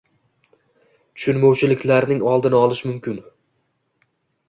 tushunmovchiliklarning oldini olish mumkin.